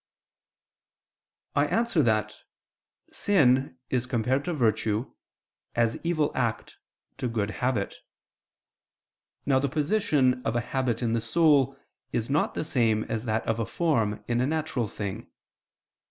I answer that, Sin is compared to virtue, as evil act to good habit. Now the position of a habit in the soul is not the same as that of a form in a natural thing.